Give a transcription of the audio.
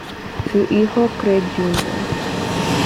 Su hijo Craig Jr.